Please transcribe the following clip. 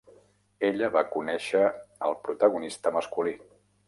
Ella va conèixer al protagonista masculí.